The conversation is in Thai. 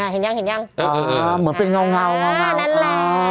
เห็นยังเห็นยังอ๋อเหมือนเป็นเงาเงาอ๋อนั่นแหละ